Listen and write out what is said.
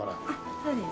そうですね。